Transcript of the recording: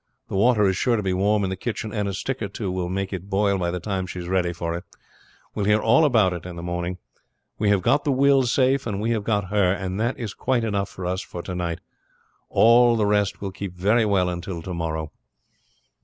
The water is sure to be warm in the kitchen, and a stick or two will make it boil by the time she is ready for it. We will hear all about it in the morning. We have got the will safe, and we have got her; that is quite enough for us for to night, all the rest will keep very well until to morrow."